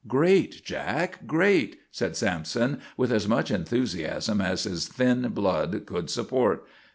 "Great, Jack, great," said Sampson with as much enthusiasm as his thin blood could support.